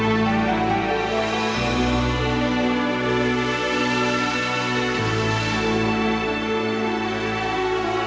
di mana ada beberapa tempat yang menyebutnya sebagai tempat yang menyenangkan